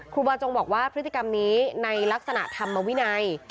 ครูบาจงบอกว่าพฤติกรรมนี้ในลักษณะธรรมวินัย